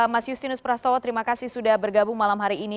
mas justinus prastowo terima kasih sudah bergabung malam hari ini